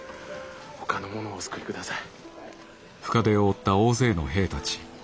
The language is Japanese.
ほかの者をお救いください。